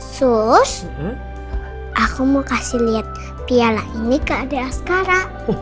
sus aku mau kasih lihat piala ini ke adalah sekarang